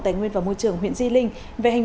thưa quý vị công an huyện di linh tỉnh lâm đồng